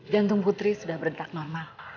jantung putri sudah berentak normal